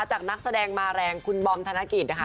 นักแสดงมาแรงคุณบอมธนกิจนะคะ